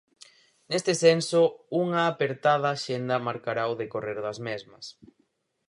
Neste senso, unha apertada axenda marcará o decorrer das mesmas.